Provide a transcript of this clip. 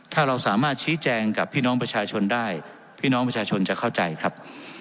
ถ้าเราสามารถชี้แจงกับพี่น้องประชาชนได้พี่น้องประชาชนจะเข้าใจครับ